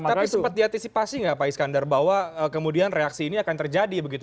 tapi sempat diantisipasi nggak pak iskandar bahwa kemudian reaksi ini akan terjadi begitu